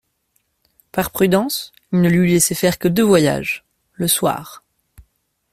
Par prudence, il ne lui laissait faire que deux voyages, le soir.